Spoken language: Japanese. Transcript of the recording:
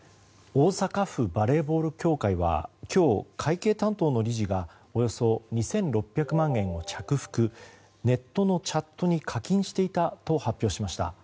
大阪府バレーボール協会は今日、会計担当の理事がおよそ２６００万円を着服ネットのチャットに課金していたと発表しました。